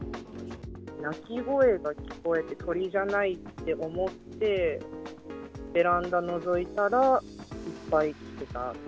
鳴き声が聞こえて、鳥じゃないって思って、ベランダのぞいたら、いっぱい来てた。